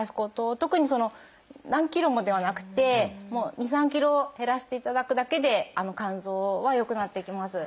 特にその何ｋｇもではなくて２３ｋｇ減らしていただくだけで肝臓は良くなっていきます。